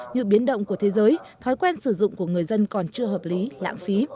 như biến động của thế giới thói quen sử dụng của người dân còn chưa hợp lý lãng phí